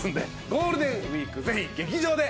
ゴールデンウィークぜひ劇場で。